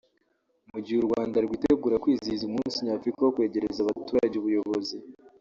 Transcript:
Mu gihe u Rwanda rwitegura kwizihiza umunsi Nyafurika wo kwegereza abaturage ubuyobozi